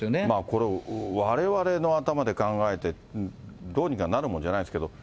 これ、われわれの頭で考えて、どうにかなるものじゃないですけど。